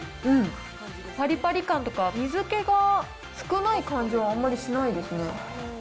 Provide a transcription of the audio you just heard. うん、ぱりぱり感とか、水けが少ない感じはあんまりしないですね。